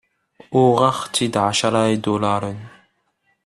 Uɣeɣ-t-id ɛecra idularen.